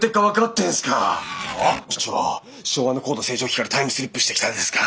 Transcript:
部長昭和の高度成長期からタイムスリップしてきたんですか？